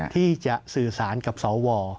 ที่จะสื่อสารกับสว